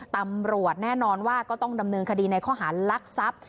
ตำรวจแน่นอนว่าก็ต้องดำเนินคดีในข้อหารลักทรัพย์